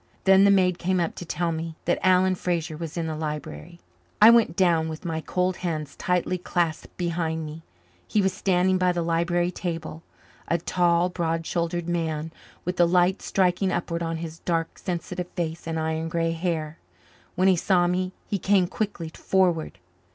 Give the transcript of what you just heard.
Then the maid came up to tell me that Alan Fraser was in the library. I went down with my cold hands tightly clasped behind me. He was standing by the library table, a tall, broad shouldered man, with the light striking upward on his dark, sensitive face and iron grey hair. When he saw me he came quickly forward.